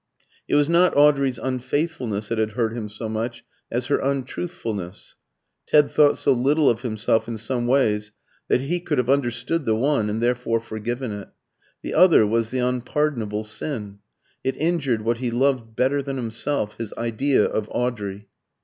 It was not Audrey's unfaithfulness that had hurt him so much as her untruthfulness. Ted thought so little of himself in some ways that he could have understood the one, and therefore forgiven it. The other was the unpardonable sin; it injured what he loved better than himself his idea of Audrey.